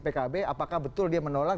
pkb apakah betul dia menolak